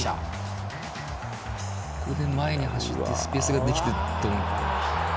これで前に走ってスペースができて。